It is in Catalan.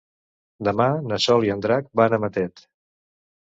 Demà na Sol i en Drac van a Matet.